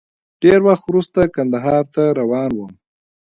ډېر وخت وروسته کندهار ته روان وم.